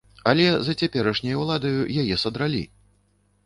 Але за цяперашняй уладаю яе садралі!